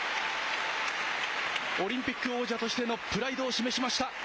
オリンピック王者としてのプライドを示しました。